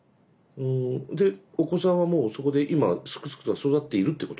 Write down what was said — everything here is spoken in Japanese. でお子さんはもうそこで今すくすくと育っているということね。